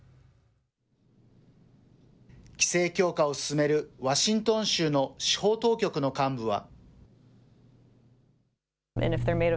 規制強化を進めるワシントン州の司法当局の幹部は。